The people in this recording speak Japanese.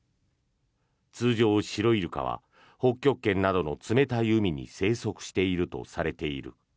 通常、シロイルカは北極圏などの冷たい海に生息しているとされている。